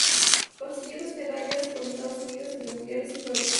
Consiguió dos medallas con Estados Unidos, entre mundiales y Juegos.